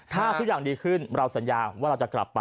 ถ้าทุกอย่างดีขึ้นเราสัญญาว่าเราจะกลับไป